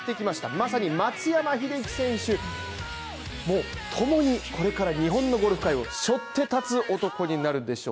まさに松山英樹選手とともに、これから日本のゴルフ界を背負って立つ男になるでしょう